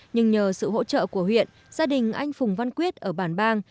nhưng nhờ sự hỗ trợ của huyện gia đình anh phùng văn quyết ở bản bang